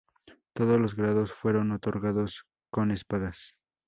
Todos los grados fueron otorgados con espadas.